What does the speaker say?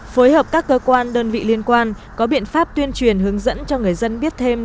phối hợp các cơ quan đơn vị liên quan có biện pháp tuyên truyền hướng dẫn cho người dân biết thêm